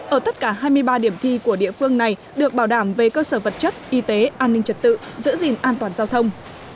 ở tất cả hai mươi ba điểm thi của địa phương này được bảo đảm về cơ sở vật chất y tế an ninh trật tự giữ gìn an toàn giao thông